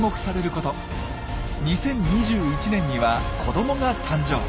２０２１年には子どもが誕生。